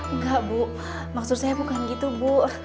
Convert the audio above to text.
enggak bu maksud saya bukan gitu bu